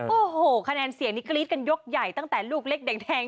โอ้โหคะแนนเสียงนี้กรี๊ดกันยกใหญ่ตั้งแต่ลูกเล็กแดง